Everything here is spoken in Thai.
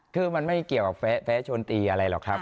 คือมันไม่เกี่ยวกับแฟ้ชนตีอะไรหรอกครับ